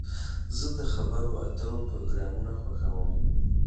زه د خبرو اترو پروګرامونه خوښوم.